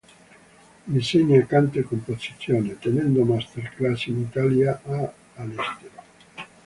Insegna canto e composizione, tenendo Master Class in Italia e all’estero.